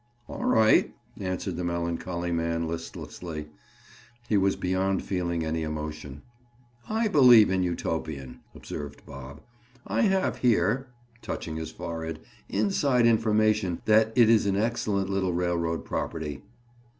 "All right," answered the melancholy man listlessly. He was beyond feeling any emotion. "I believe in Utopian," observed Bob. "I have here," touching his forehead, "inside information that it is an excellent little railroad property."